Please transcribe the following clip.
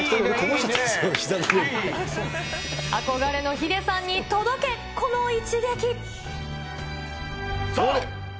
憧れのヒデさんに届け、この一撃。